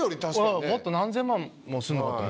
うんもっと何千万もすんのかと。